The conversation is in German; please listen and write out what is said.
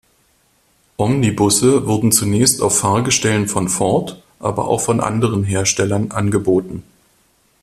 Omnibusse wurden zunächst auf Fahrgestellen von Ford, aber auch von anderen Herstellern angeboten.